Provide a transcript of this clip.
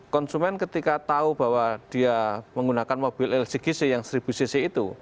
konsumen ketika tahu bahwa dia menggunakan mobil lcgc yang seribu cc itu